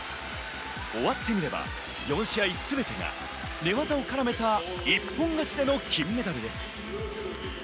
終わってみれば４試合すべてが寝技を絡めた一本勝ちでの金メダルです。